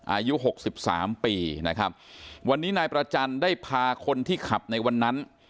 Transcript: อายุหกสิบสามปีนะครับวันนี้นายประจันทร์ได้พาคนที่ขับในวันนั้น